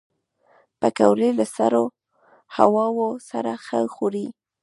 پکورې له سړو هواوو سره ښه خوري